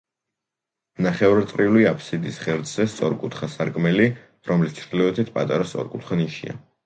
ნახევარწრიული აფსიდის ღერძზე სწორკუთხა სარკმელი, რომლის ჩრდილოეთით პატარა სწორკუთხა ნიშია.